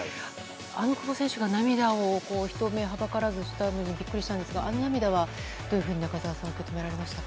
あの久保選手が涙を人目はばからずしたのはビックリしたんですがあの涙はどういうふうに中澤さんは捉えましたか。